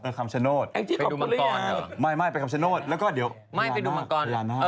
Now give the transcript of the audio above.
เออคำชนดไปดูมังกรเหรอไม่ไปคำชนดแล้วก็เดี๋ยวพญาหน้า